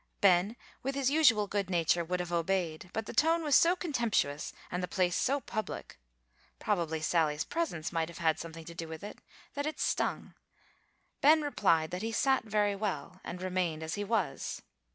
Ben, with his usual good nature, would have obeyed; but the tone was so contemptuous, and the place so public (probably Sally's presence might have had something to do with it), that it stung; Ben replied that he sat very well, and remained as he was.